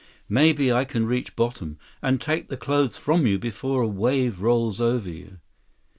Maybe I can reach bottom, and take the clothes from you before a wave rolls over you."